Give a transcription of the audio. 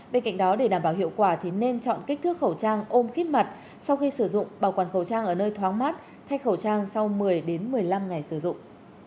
bên cạnh đó để đảm bảo hiệu quả thì nên chọn kích thước khẩu trang ôm khít mặt sau khi sử dụng bảo quản khẩu trang ở nơi thoáng mát thay khẩu trang sau một mươi một mươi năm ngày sử dụng